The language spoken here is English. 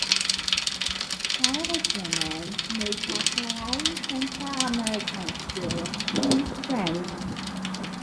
Salvadorans make up the largest Central American students in France.